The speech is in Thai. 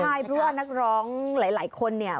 ใช่เพราะว่านักร้องหลายคน